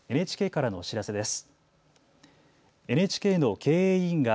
ＮＨＫからのお知らせです。